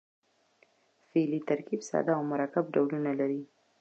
فعلي ترکیب ساده او مرکب ډولونه لري.